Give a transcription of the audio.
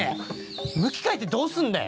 向き変えてどうすんだよ！